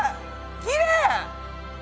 きれい！